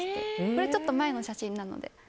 これ、ちょっと前の写真なので。